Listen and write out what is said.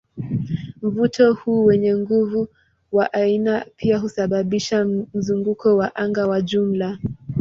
Mvuto huu wenye nguvu wa anga pia husababisha mzunguko wa anga wa jumla.